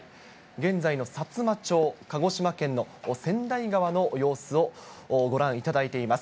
現在のさつま町、鹿児島県の川内川の様子をご覧いただいています。